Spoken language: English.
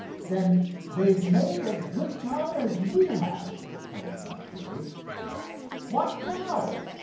"Then they've made as good time as we have," called back Dave. "What now?"